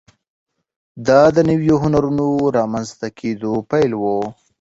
دا د نویو هنرونو د رامنځته کېدو پیل و.